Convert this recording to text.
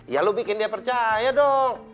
ya lo bikin dia percaya dong